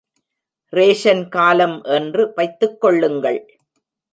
Ration காலம் என்று வைத்துக் கொள்ளுங்கள்.